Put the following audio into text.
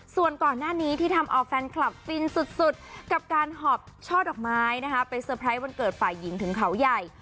ส่วนก่อนหน้านี้ที่ทำเอาแฟนคลับฟินสุดกับการหอบช่อดอกไม้นะคะไปเซอร์ไพรส์วันเกิดฝ่ายหญิงถึงเขาใหญ่